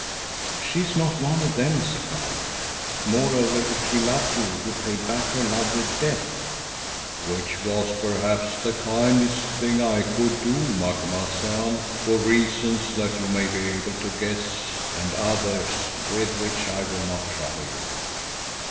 "She is not one of them, Zikali. Moreover, if she loved you, you paid back her love with death." "Which perhaps was the kindest thing I could do, Macumazahn, for reasons that you may be able to guess, and others with which I will not trouble you.